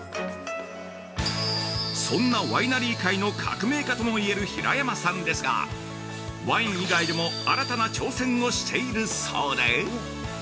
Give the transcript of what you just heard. そんなワイナリー界の革命家とも言える平山さんですがワイン以外でも新たな挑戦をしているそうで◆